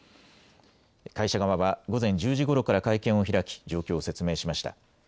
会社側は午前１０時ごろから会見を開き、状況を説明しました。